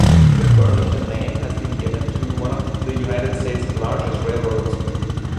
The "Burlington" name has been given to one of the United States' largest railroads.